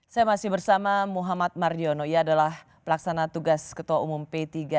saya masih bersama muhammad mardiono ia adalah pelaksana tugas ketua umum p tiga